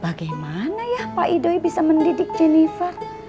bagaimana ya pak idoi bisa mendidik jennifer